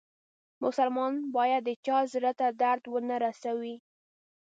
مسلمان باید د چا زړه ته درد و نه روسوي.